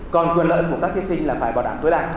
còn quyền lợi của các thí sinh là phải bảo đảm tối đa